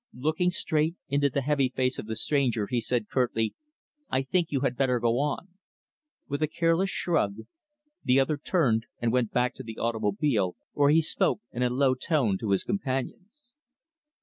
Looking straight into the heavy face of the stranger, he said curtly, "I think you had better go on." With a careless shrug, the other turned and went back to the automobile, where he spoke in a low tone to his companions.